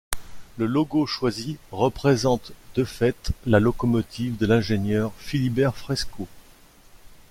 Le logo choisi représente de fait la locomotive de l'ingénieur Philibert Frescot.